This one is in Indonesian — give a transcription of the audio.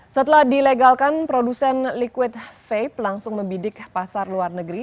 setelah dilegalkan produsen liquid vape langsung membidik pasar luar negeri